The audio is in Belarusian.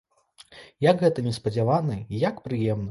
Як гэта неспадзявана і як прыемна!